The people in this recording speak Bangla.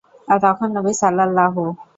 তখন নবী সাল্লাল্লাহু।